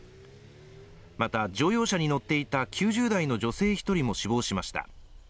また、乗用車に乗っていた９０代の女性１人も死亡しました。